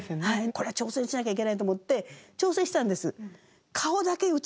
これは挑戦しなきゃいけないと思って挑戦したんです。